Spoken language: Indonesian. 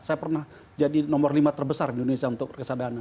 saya pernah jadi nomor lima terbesar di indonesia untuk reksadana